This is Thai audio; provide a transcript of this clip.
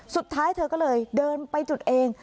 สุดท้ายเธอก็เลยเดินไปจุดเอง